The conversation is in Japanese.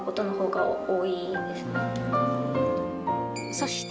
そして